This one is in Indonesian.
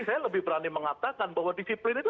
saya lebih berani mengatakan bahwa disiplin itu